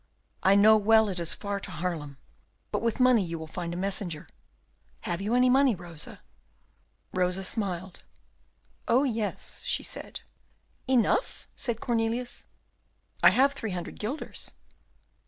I know well it is far to Haarlem, but with money you will find a messenger. Have you any money, Rosa?" Rosa smiled. "Oh, yes!" she said. "Enough?" said Cornelius. "I have three hundred guilders."